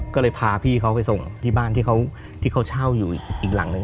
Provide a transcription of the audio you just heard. ก็เลยพาพี่เขาไปส่งที่บ้านที่เขาเช่าอยู่อีกหลังหนึ่ง